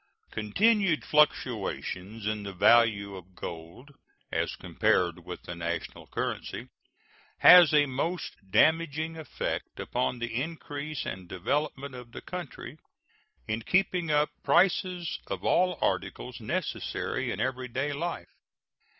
Continued fluctuations in the value of gold, as compared with the national currency, has a most damaging effect upon the increase and development of the country, in keeping up prices of all articles necessary in everyday life.